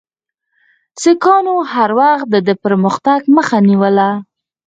سیکهانو هر وخت د ده د پرمختګ مخه نیوله.